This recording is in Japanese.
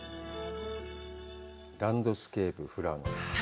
ランドスケープふらの。